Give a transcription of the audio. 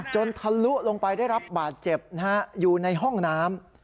ทะลุลงไปได้รับบาดเจ็บนะฮะอยู่ในห้องน้ำ